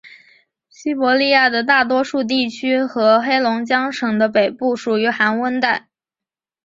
西伯利亚的大多数地区和黑龙江省的北部属于寒温带。